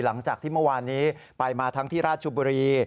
หลังจากที่เมื่อวานนี้ไปมาทั้งที่ราชบุรี